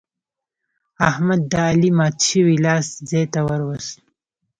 احمد د علي مات شوی لاس ځای ته ور ووست.